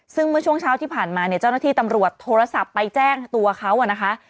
ซึ่งเมื่อช่วงเช้าที่ผ่านมาเนี่ยเจ้าหน้าที่ตำรวจโทรศัพท์ไปแจ้งตัวเขานะคะ